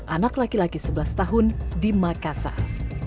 anak laki laki sebelas tahun di makassar